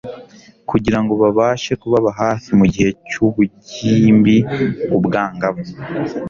kugirango babashe kubaba hafi mu gihe cy ubugimbiubwangavu